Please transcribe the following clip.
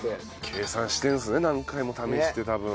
計算してるんですね何回も試して多分。